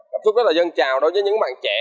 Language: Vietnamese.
cảm xúc rất là dân chào đối với những bạn trẻ